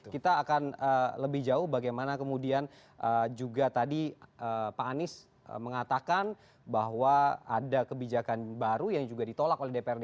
kita akan lebih jauh bagaimana kemudian juga tadi pak anies mengatakan bahwa ada kebijakan baru yang juga ditolak oleh dprd